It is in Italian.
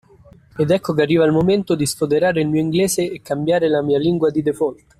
Ed ecco che arriva il momento di sfoderare il mio inglese e cambiare la mia lingua di default.